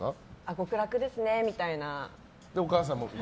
極楽ですねみたいな。